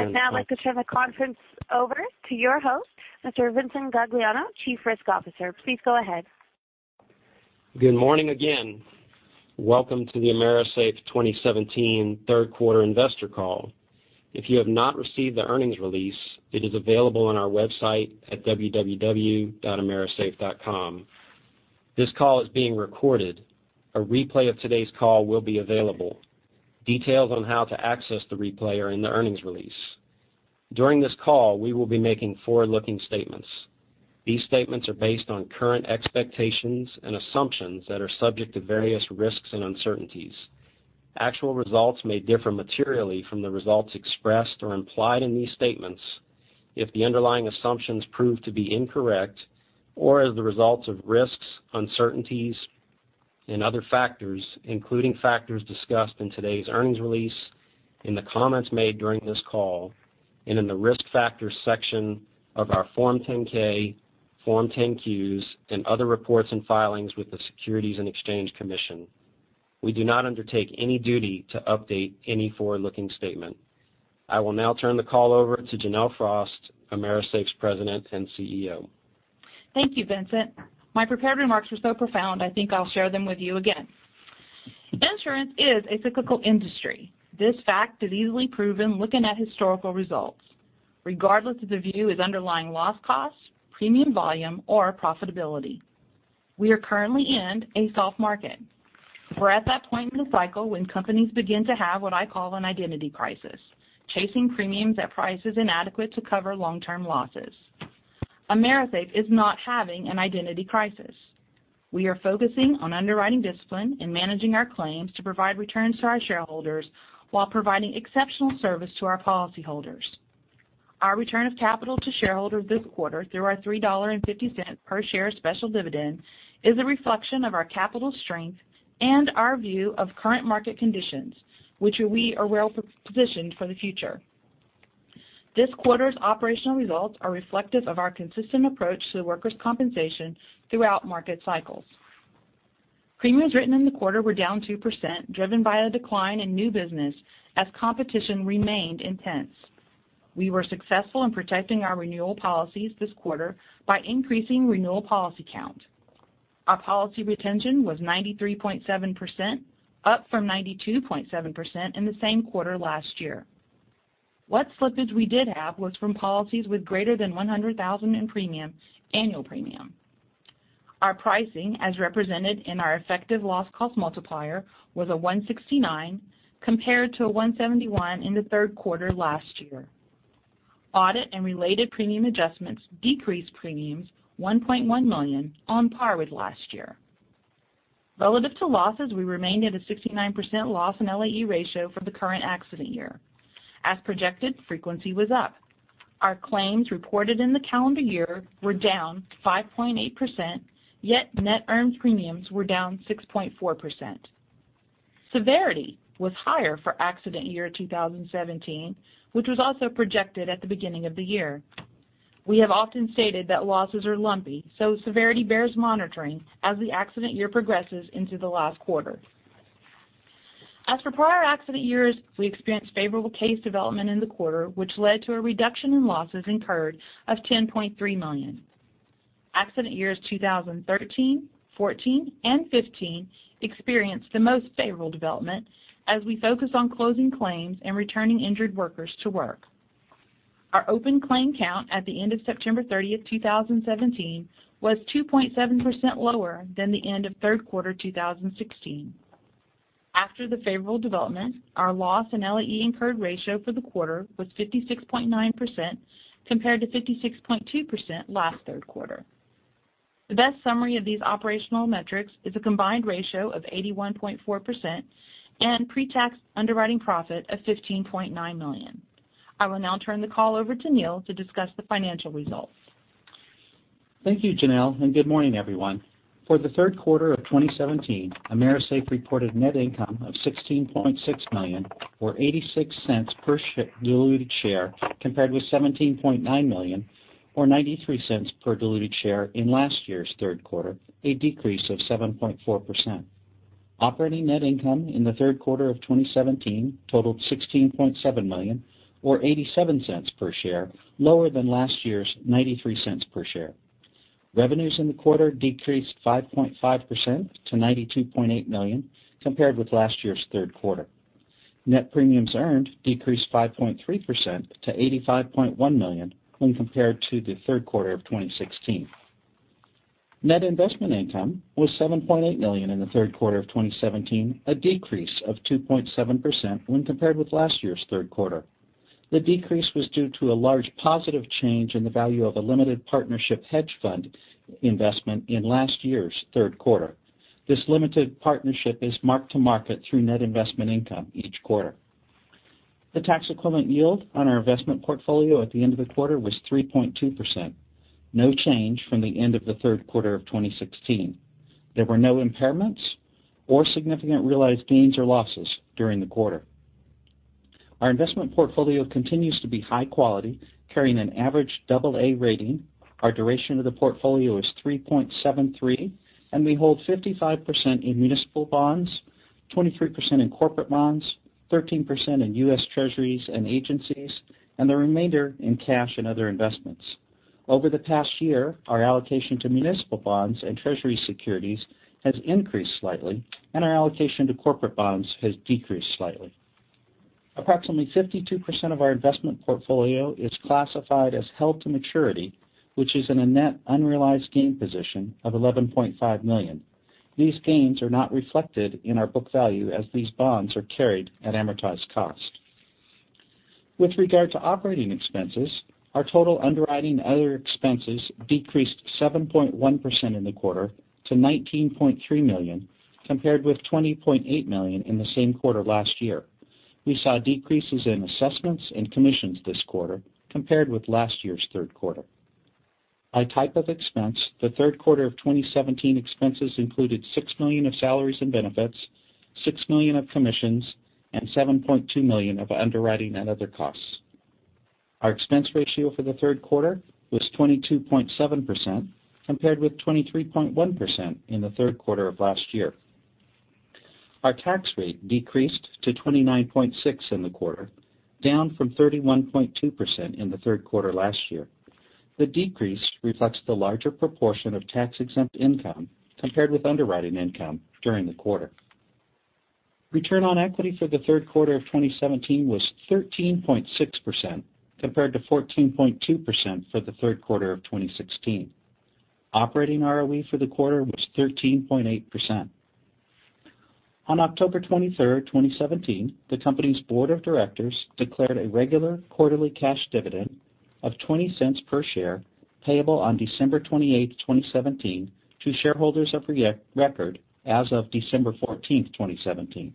I'd now like to turn the conference over to your host, Mr. Vincent Gagliano, Chief Risk Officer. Please go ahead. Good morning again. Welcome to the AMERISAFE 2017 third quarter investor call. If you have not received the earnings release, it is available on our website at www.amerisafe.com. This call is being recorded. A replay of today's call will be available. Details on how to access the replay are in the earnings release. During this call, we will be making forward-looking statements. These statements are based on current expectations and assumptions that are subject to various risks and uncertainties. Actual results may differ materially from the results expressed or implied in these statements if the underlying assumptions prove to be incorrect or as the results of risks, uncertainties, and other factors, including factors discussed in today's earnings release, in the comments made during this call, and in the Risk Factors section of our Form 10-K, Form 10-Qs, and other reports and filings with the Securities and Exchange Commission. We do not undertake any duty to update any forward-looking statement. I will now turn the call over to Janelle Frost, AMERISAFE's President and CEO. Thank you, Vincent. My prepared remarks were so profound, I think I'll share them with you again. Insurance is a cyclical industry. This fact is easily proven looking at historical results regardless if the view is underlying loss costs, premium volume, or profitability. We are currently in a soft market. We're at that point in the cycle when companies begin to have what I call an identity crisis, chasing premiums at prices inadequate to cover long-term losses. AMERISAFE is not having an identity crisis. We are focusing on underwriting discipline and managing our claims to provide returns to our shareholders while providing exceptional service to our policyholders. Our return of capital to shareholders this quarter through our $3.50 per share special dividend is a reflection of our capital strength and our view of current market conditions, which we are well-positioned for the future. This quarter's operational results are reflective of our consistent approach to workers' compensation throughout market cycles. Premiums written in the quarter were down 2%, driven by a decline in new business as competition remained intense. We were successful in protecting our renewal policies this quarter by increasing renewal policy count. Our policy retention was 93.7%, up from 92.7% in the same quarter last year. What slippage we did have was from policies with greater than $100,000 in annual premium. Our pricing, as represented in our effective loss cost multiplier, was 169 compared to 171 in the third quarter last year. Audit and related premium adjustments decreased premiums $1.1 million, on par with last year. Relative to losses, we remained at a 69% loss in LAE ratio for the current accident year. As projected, frequency was up. Our claims reported in the calendar year were down 5.8%, yet net earned premiums were down 6.4%. Severity was higher for accident year 2017, which was also projected at the beginning of the year. We have often stated that losses are lumpy, so severity bears monitoring as the accident year progresses into the last quarter. As for prior accident years, we experienced favorable case development in the quarter, which led to a reduction in losses incurred of $10.3 million. Accident years 2013, 2014, and 2015 experienced the most favorable development as we focus on closing claims and returning injured workers to work. Our open claim count at the end of September 30, 2017, was 2.7% lower than the end of third quarter 2016. After the favorable development, our loss and LAE incurred ratio for the quarter was 56.9% compared to 56.2% last third quarter. The best summary of these operational metrics is a combined ratio of 81.4% and pre-tax underwriting profit of $15.9 million. I will now turn the call over to Neal to discuss the financial results. Thank you, Janelle. Good morning, everyone. For the third quarter of 2017, AMERISAFE reported net income of $16.6 million, or $0.86 per diluted share, compared with $17.9 million or $0.93 per diluted share in last year's third quarter, a decrease of 7.4%. Operating net income in the third quarter of 2017 totaled $16.7 million or $0.87 per share, lower than last year's $0.93 per share. Revenues in the quarter decreased 5.5% to $92.8 million compared with last year's third quarter. Net premiums earned decreased 5.3% to $85.1 million when compared to the third quarter of 2016. Net investment income was $7.8 million in the third quarter of 2017, a decrease of 2.7% when compared with last year's third quarter. The decrease was due to a large positive change in the value of a limited partnership hedge fund investment in last year's third quarter. This limited partnership is mark-to-market through net investment income each quarter. The tax equivalent yield on our investment portfolio at the end of the quarter was 3.2%, no change from the end of the third quarter of 2016. There were no impairments or significant realized gains or losses during the quarter. Our investment portfolio continues to be high quality, carrying an average AA rating. Our duration of the portfolio is 3.73, and we hold 55% in municipal bonds, 23% in corporate bonds, 13% in U.S. Treasuries and agencies, and the remainder in cash and other investments. Over the past year, our allocation to municipal bonds and Treasury securities has increased slightly, and our allocation to corporate bonds has decreased slightly. Approximately 52% of our investment portfolio is classified as held-to-maturity, which is in a net unrealized gain position of $11.5 million. These gains are not reflected in our book value as these bonds are carried at amortized cost. With regard to operating expenses, our total underwriting and other expenses decreased 7.1% in the quarter to $19.3 million, compared with $20.8 million in the same quarter last year. We saw decreases in assessments and commissions this quarter compared with last year's third quarter. By type of expense, the third quarter of 2017 expenses included $6 million of salaries and benefits, $6 million of commissions, and $7.2 million of underwriting and other costs. Our expense ratio for the third quarter was 22.7%, compared with 23.1% in the third quarter of last year. Our tax rate decreased to 29.6% in the quarter, down from 31.2% in the third quarter last year. The decrease reflects the larger proportion of tax-exempt income compared with underwriting income during the quarter. Return on equity for the third quarter of 2017 was 13.6%, compared to 14.2% for the third quarter of 2016. Operating ROE for the quarter was 13.8%. On October 23rd, 2017, the company's board of directors declared a regular quarterly cash dividend of $0.20 per share, payable on December 28th, 2017, to shareholders of record as of December 14th, 2017.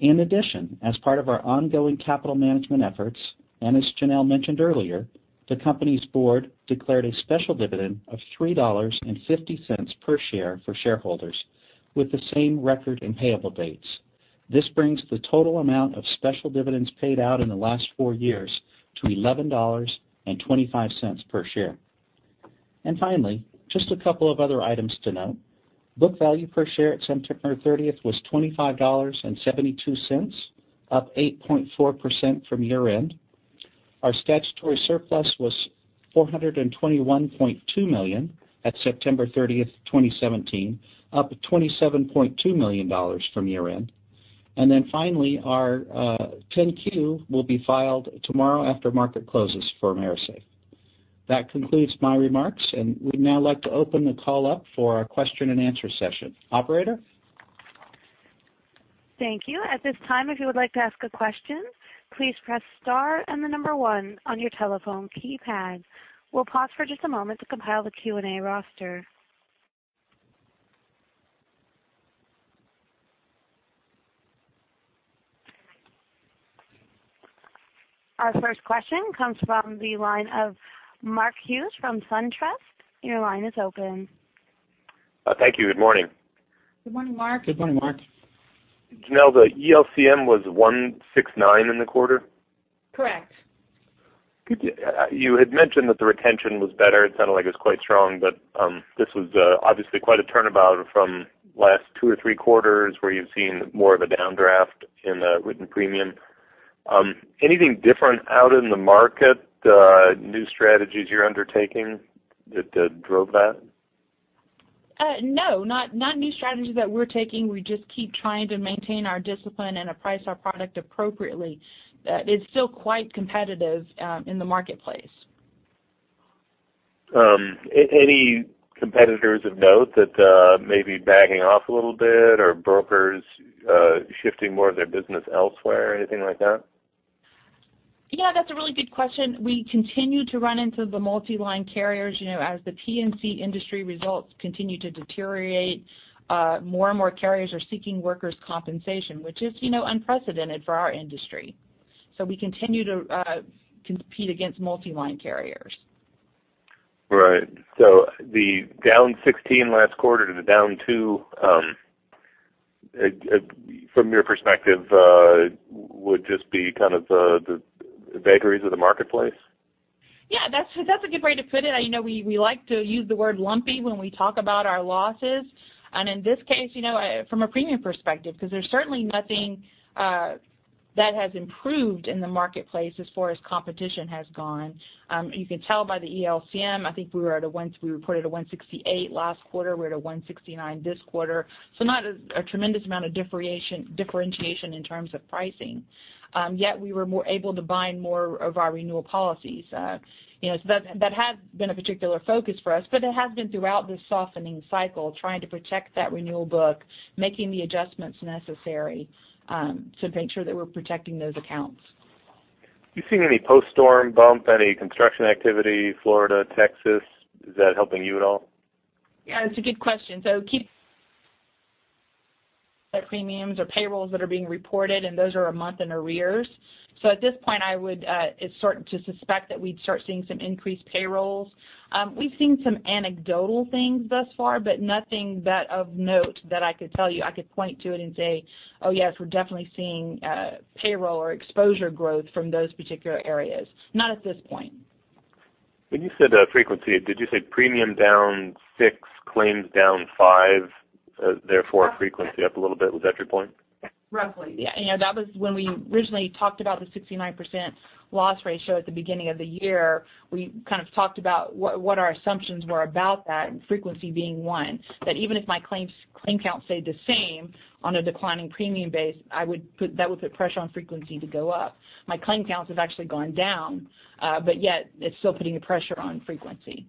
In addition, as part of our ongoing capital management efforts, and as Janelle mentioned earlier, the company's board declared a special dividend of $3.50 per share for shareholders with the same record and payable dates. This brings the total amount of special dividends paid out in the last four years to $11.25 per share. Finally, just a couple of other items to note. Book value per share at September 30th was $25.72, up 8.4% from year-end. Our statutory surplus was $421.2 million at September 30th, 2017, up $27.2 million from year-end. Finally, our 10-Q will be filed tomorrow after market closes for AMERISAFE. That concludes my remarks, and we'd now like to open the call up for our question-and-answer session. Operator? Thank you. At this time, if you would like to ask a question, please press star and the number 1 on your telephone keypad. We'll pause for just a moment to compile the Q&A roster. Our first question comes from the line of Mark Hughes from SunTrust. Your line is open. Thank you. Good morning. Good morning, Mark. Janelle, the ELCM was 169 in the quarter? Correct. You had mentioned that the retention was better. It sounded like it was quite strong. This was obviously quite a turnabout from last two or three quarters where you've seen more of a downdraft in the written premium. Anything different out in the market, new strategies you're undertaking that drove that? No, not new strategies that we're taking. We just keep trying to maintain our discipline and price our product appropriately. It's still quite competitive in the marketplace. Any competitors of note that may be backing off a little bit or brokers shifting more of their business elsewhere or anything like that? Yeah, that's a really good question. We continue to run into the multi-line carriers. As the P&C industry results continue to deteriorate, more and more carriers are seeking workers' compensation, which is unprecedented for our industry. We continue to compete against multi-line carriers. Right. The down 16 last quarter to the down two, from your perspective, would just be kind of the vagaries of the marketplace? Yeah. That's a good way to put it. We like to use the word lumpy when we talk about our losses. In this case, from a premium perspective, because there's certainly nothing that has improved in the marketplace as far as competition has gone. You can tell by the ELCM. I think we reported a 168 last quarter. We're at a 169 this quarter. Not a tremendous amount of differentiation in terms of pricing. Yet we were more able to bind more of our renewal policies. That has been a particular focus for us, but it has been throughout this softening cycle, trying to protect that renewal book, making the adjustments necessary to make sure that we're protecting those accounts. You seen any post-storm bump, any construction activity, Florida, Texas? Is that helping you at all? Yeah, that's a good question. Keep the premiums or payrolls that are being reported, and those are a month in arrears. At this point, it's starting to suspect that we'd start seeing some increased payrolls. We've seen some anecdotal things thus far, but nothing that of note that I could tell you, I could point to it and say, "Oh yes, we're definitely seeing payroll or exposure growth from those particular areas." Not at this point. When you said frequency, did you say premium down 6, claims down 5, therefore frequency up a little bit? Was that your point? Roughly. Yeah. That was when we originally talked about the 69% loss ratio at the beginning of the year. We kind of talked about what our assumptions were about that, frequency being one. Even if my claim count stayed the same on a declining premium base, that would put pressure on frequency to go up. My claim counts have actually gone down, yet it's still putting a pressure on frequency.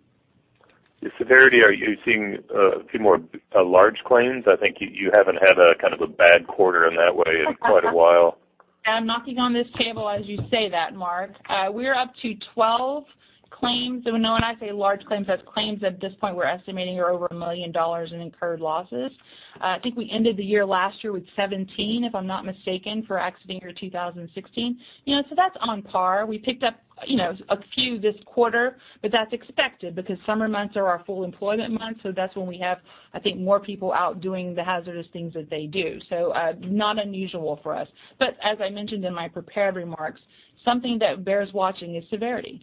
With severity, are you seeing a few more large claims? I think you haven't had a kind of a bad quarter in that way in quite a while. I'm knocking on this table as you say that, Mark. We're up to 12 claims. When I say large claims, that's claims that at this point we're estimating are over $1 million in incurred losses. I think we ended the year last year with 17, if I'm not mistaken, for accident year 2016. That's on par. We picked up a few this quarter, that's expected because summer months are our full employment months, so that's when we have, I think, more people out doing the hazardous things that they do. Not unusual for us. As I mentioned in my prepared remarks, something that bears watching is severity.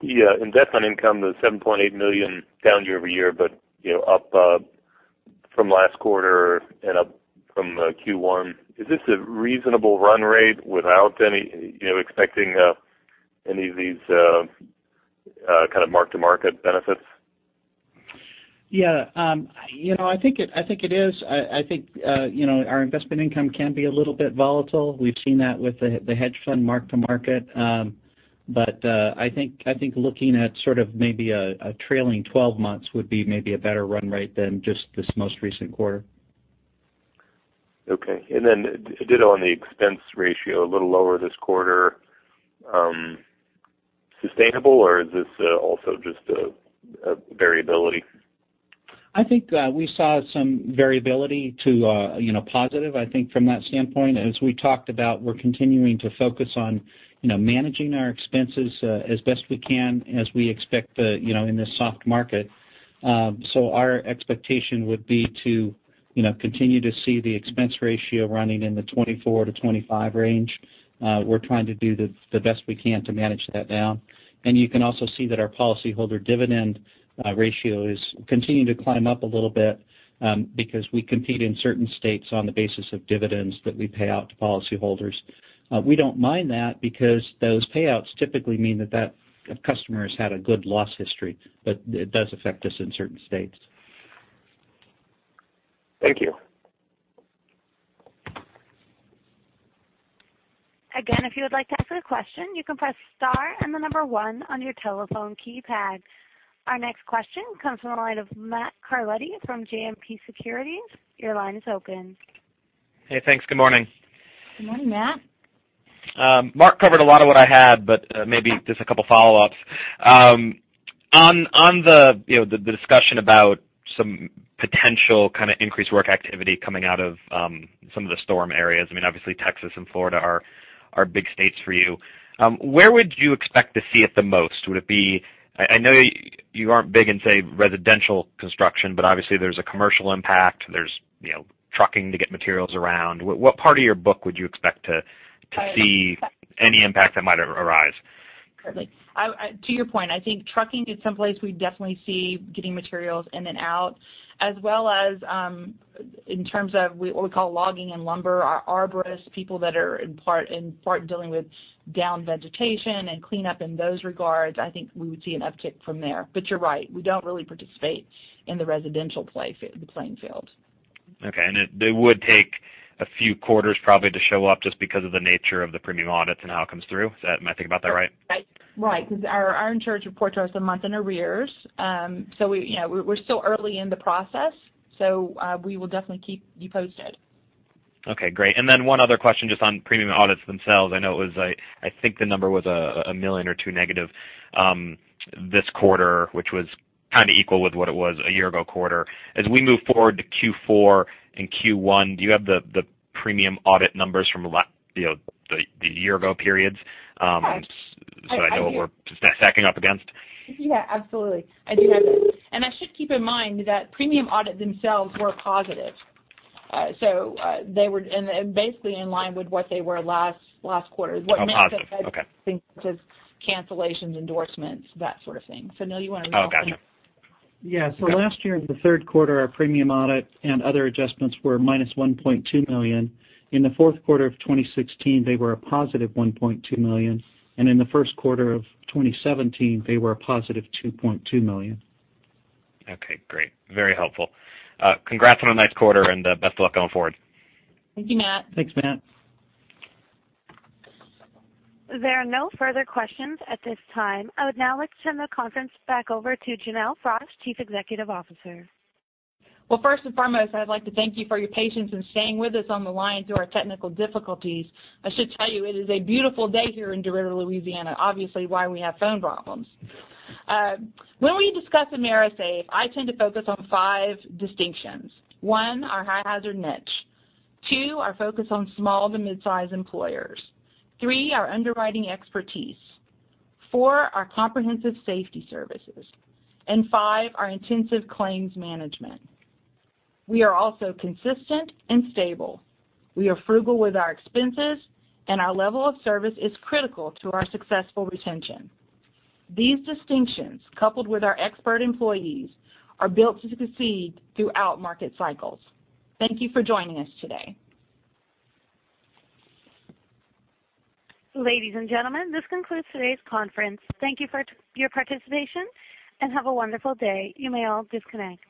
Yeah. Investment income was $7.8 million down year-over-year, but up from last quarter and up from Q1. Is this a reasonable run rate without expecting any of these kind of mark-to-market benefits? Yeah. I think it is. I think our investment income can be a little bit volatile. We've seen that with the hedge fund mark-to-market. I think looking at sort of maybe a trailing 12 months would be maybe a better run rate than just this most recent quarter. Okay. A little on the expense ratio, a little lower this quarter. Sustainable or is this also just a variability? I think we saw some variability to a positive, I think from that standpoint. As we talked about, we're continuing to focus on managing our expenses as best we can as we expect in this soft market. Our expectation would be to continue to see the expense ratio running in the 24-25 range. We're trying to do the best we can to manage that down. You can also see that our policyholder dividend ratio is continuing to climb up a little bit because we compete in certain states on the basis of dividends that we pay out to policyholders. We don't mind that because those payouts typically mean that that customer has had a good loss history, but it does affect us in certain states. Thank you. Again, if you would like to ask a question, you can press star and the number one on your telephone keypad. Our next question comes from the line of Matthew Carletti from JMP Securities. Your line is open. Hey, thanks. Good morning. Good morning, Matt. Mark covered a lot of what I had, maybe just a couple follow-ups. On the discussion about some potential kind of increased work activity coming out of some of the storm areas, I mean, obviously Texas and Florida are big states for you. Where would you expect to see it the most? I know you aren't big in, say, residential construction, obviously there's a commercial impact. There's trucking to get materials around. What part of your book would you expect to see any impact that might arise? To your point, I think trucking is someplace we definitely see getting materials in and out, as well as in terms of what we call logging and lumber, our arborists, people that are in part dealing with downed vegetation and cleanup in those regards. I think we would see an uptick from there. You're right, we don't really participate in the residential playing field. Okay. It would take a few quarters probably to show up just because of the nature of the premium audits and how it comes through. Am I thinking about that right? Right. Because our insurance report to us a month in arrears. We're still early in the process, so we will definitely keep you posted. Okay, great. One other question just on premium audits themselves. I know it was, I think the number was $1 million or $2 million negative this quarter, which was kind of equal with what it was a year ago quarter. As we move forward to Q4 and Q1, do you have the premium audit numbers from the year ago periods? Yes. I do. That I know what we're stacking up against. Absolutely. I do have that. I should keep in mind that premium audits themselves were positive. They were basically in line with what they were last quarter. Oh, positive. Okay. What makes up that is cancellations, endorsements, that sort of thing. Neal, you want to talk about- Oh, gotcha. Yeah. Last year in the third quarter, our premium audit and other adjustments were -$1.2 million. In the fourth quarter of 2016, they were a positive $1.2 million, and in the first quarter of 2017, they were a positive $2.2 million. Okay, great. Very helpful. Congrats on a nice quarter and best of luck going forward. Thank you, Matt. Thanks, Matt. There are no further questions at this time. I would now like to turn the conference back over to Janelle Frost, Chief Executive Officer. Well, first and foremost, I'd like to thank you for your patience in staying with us on the line through our technical difficulties. I should tell you, it is a beautiful day here in DeRidder, Louisiana. Obviously why we have phone problems. When we discuss AMERISAFE, I tend to focus on five distinctions. One, our high hazard niche. Two, our focus on small to mid-size employers. Three, our underwriting expertise. Four, our comprehensive safety services. Five, our intensive claims management. We are also consistent and stable. We are frugal with our expenses, and our level of service is critical to our successful retention. These distinctions, coupled with our expert employees, are built to succeed throughout market cycles. Thank you for joining us today. Ladies and gentlemen, this concludes today's conference. Thank you for your participation, and have a wonderful day. You may all disconnect.